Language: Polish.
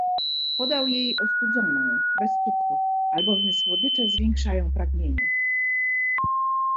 Podał jej ostudzoną, bez cukru, albowiem słodycze zwiększają pragnienie.